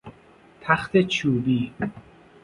تخت چوبی